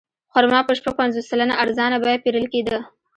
خرما په شپږ پنځوس سلنه ارزانه بیه پېرل کېده.